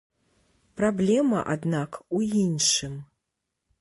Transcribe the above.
Праблема, аднак, у іншым.